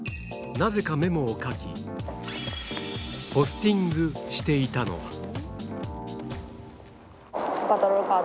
なぜかメモを書き、ポスティングしていたのは。